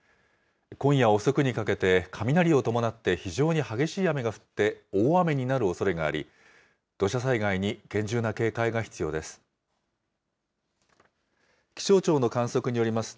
今夜遅くにかけて雷を伴って非常に激しい雨が降って、大雨になるおそれがあり、土砂災害に厳重な警戒が必要です。